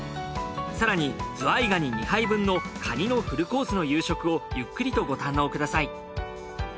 更にズワイガニ２杯分のカニのフルコースの夕食をゆっくりとご堪能ください。